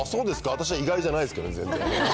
私は意外じゃないですけどね、全然。